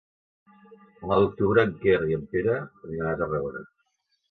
El nou d'octubre en Quer i en Pere aniran a Tarragona.